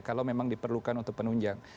kalau memang diperlukan untuk penunjang